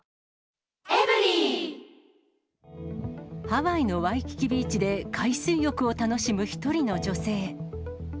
ハワイのワイキキビーチで海水浴を楽しむ一人の女性。